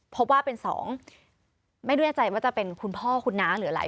พบว่าเป็นสองไม่แน่ใจว่าจะเป็นคุณพ่อคุณน้าหรืออะไร